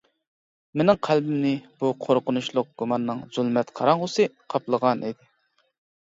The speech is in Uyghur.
مېنىڭ قەلبىمنى بۇ قورقۇنچلۇق گۇماننىڭ زۇلمەت قاراڭغۇسى قاپلىغانىدى.